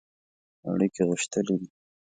اړیکي غښتلي کړي.